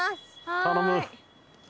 頼む！